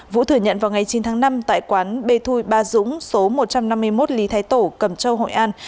vũ thừa nhận vào ngày chín tháng năm tại quán b thui ba dũng số một trăm năm mươi một lý thái tổ cầm châu hội an